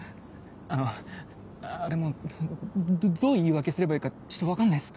あのあれもうどどう言い訳すればいいかちょっと分かんないっす。